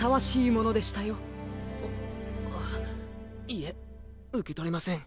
いえうけとれません。